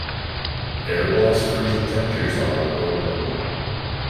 Air blast freezing temperatures are or lower.